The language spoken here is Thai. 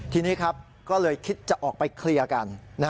ทีนี้ครับก็เลยคิดจะออกไปเคลียร์กัน